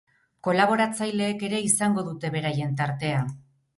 Kolaboratzaileek ere izango dute beraien tartea.